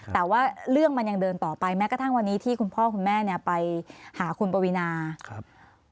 แต่ว่าเรื่องมันยังเดินต่อไปแม้กระทั่งวันนี้ที่คุณพ่อคุณแม่เนี่ยไปหาคุณปวีนาครับ